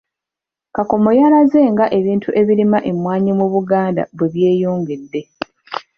Kakomo yalaze nga ebitundu ebirima emmwaanyi mu Buganda bwe byeyongedde.